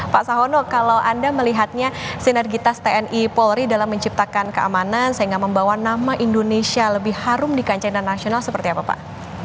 pak sahono kalau anda melihatnya sinergitas tni polri dalam menciptakan keamanan sehingga membawa nama indonesia lebih harum di kancah internasional seperti apa pak